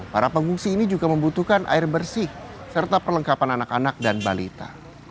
para pengungsi ini juga membutuhkan air bersih serta perlengkapan anak anak dan balita